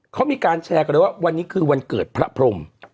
เขามีการแชร์กันเลยว่าวันนี้คือวันเกิดพระพรม